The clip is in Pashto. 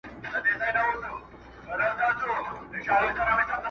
ما چي توبه وکړه اوس نا ځوانه راته و ویل-